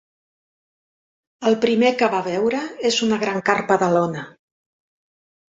El primer que va veure és una gran carpa de lona.